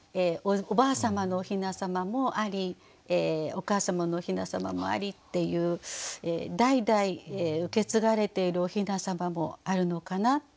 おばあ様のおひなさまもありお母様のおひなさまもありっていう代々受け継がれているおひなさまもあるのかな。